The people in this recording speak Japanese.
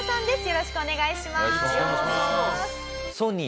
よろしくお願いします。